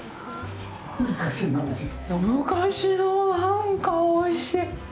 昔の、なんか、おいしい！